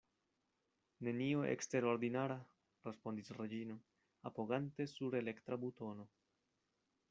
Nenio eksterordinara, respondis Reĝino, apogante sur elektra butono.